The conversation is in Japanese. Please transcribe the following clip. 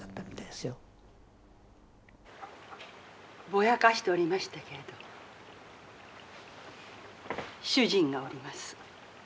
「ぼやかしておりましたけれど主人がおります」。